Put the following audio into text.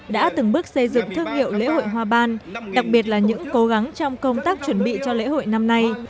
đã từng bước xây dựng thương hiệu lễ hội hoa ban đặc biệt là những cố gắng trong công tác chuẩn bị cho lễ hội năm nay